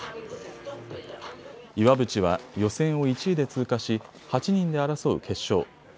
岩渕は予選を１位で通過し８人で争う決勝。